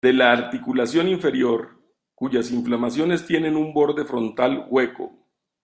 De la articulación inferior, cuyas inflamaciones tienen un borde frontal hueco.